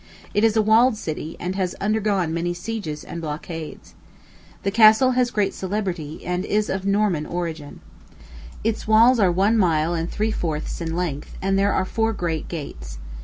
It is a walled city, and has undergone many sieges and blockades. The castle has great celebrity, and is of Norman origin. Its walls are one mile and three fourths in length, and there are four great gates.